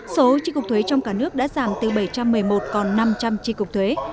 số tri cục thuế trong cả nước đã giảm từ bảy trăm một mươi một còn năm trăm linh tri cục thuế